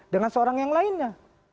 dengan seorang yang lainnya